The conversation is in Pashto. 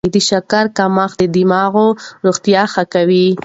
د شکرې کمښت د دماغ روغتیا ښه کوي.